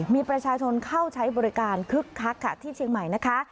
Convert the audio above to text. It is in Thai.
มีประชาชนเข้าใช้บริการคึกคักค่ะที่เชียงใหม่นะคะ